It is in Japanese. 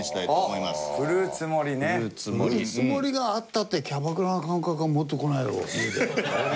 フルーツ盛りがあったってキャバクラの感覚は戻ってこないだろう家で。